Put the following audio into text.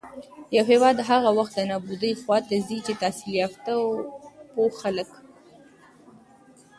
يـو هېـواد هـغه وخـت د نـابـودۍ خـواتـه ځـي چـې تحـصيل يافتـه او پـوه خلـک